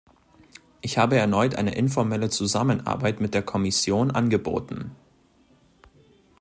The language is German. Ich habe erneut eine informelle Zusammenarbeit mit der Kommission angeboten.